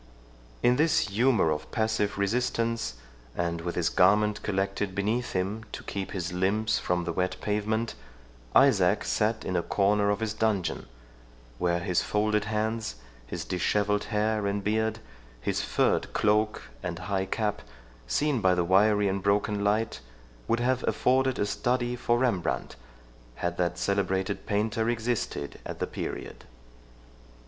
In this humour of passive resistance, and with his garment collected beneath him to keep his limbs from the wet pavement, Isaac sat in a corner of his dungeon, where his folded hands, his dishevelled hair and beard, his furred cloak and high cap, seen by the wiry and broken light, would have afforded a study for Rembrandt, had that celebrated painter existed at the period.